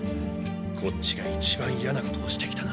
こっちが一番嫌なことをしてきたな。